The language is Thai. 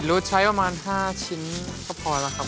หรือว่าเราแรกใช้ใส่ถุงมือดีกว่า